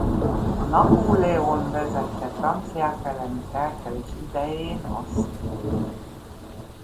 A Napoléon vezette franciák elleni felkelés idején a Szt.